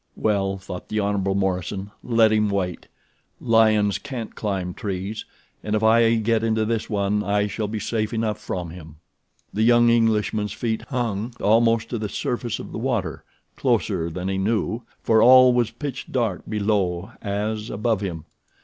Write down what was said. Well, thought the Hon. Morison, let him wait. Lions can't climb trees, and if I get into this one I shall be safe enough from him. The young Englishman's feet hung almost to the surface of the water—closer than he knew, for all was pitch dark below as above him.